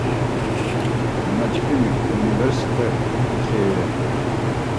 Nanaçkimi universeta ǩitxeri ren.